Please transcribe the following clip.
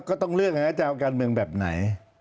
ก็ต้องเลือกนะจะเอาการเมืองแบบไหน